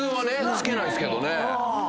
付けないっすけどね。